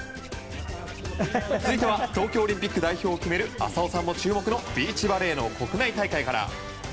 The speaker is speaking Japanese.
続いては東京オリンピック代表を決める浅尾さんも注目のビーチバレーの国内大会から。